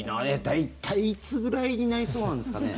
大体いつぐらいになりそうなんですかね。